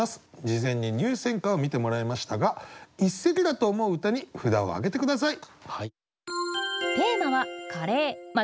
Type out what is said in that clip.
事前に入選歌を見てもらいましたが一席だと思う歌に札を挙げて下さい。